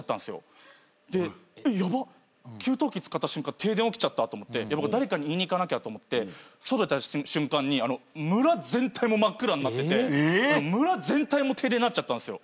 停電起きちゃったと思って誰かに言いに行かなきゃと思って外出た瞬間に村全体も真っ暗になってて村全体も停電になっちゃったんすよ。